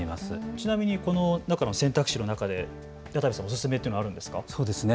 ちなみにこの中の選択肢の中でおすすめというのはあるのですか？